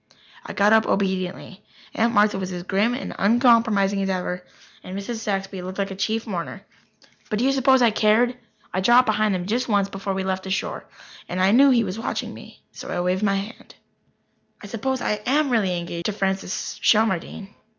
I got up obediently. Aunt Martha was as grim and uncompromising as ever, and Mrs. Saxby looked like a chief mourner, but do you suppose I cared? I dropped behind them just once before we left the shore. I knew he was watching me and I waved my hand. I suppose I am really engaged to Francis Shelmardine.